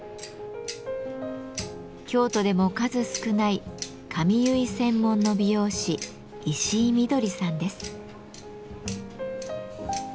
京都でも数少ない髪結い専門の美容師石井翠さんです。